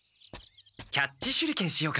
キャッチ手裏剣しようか！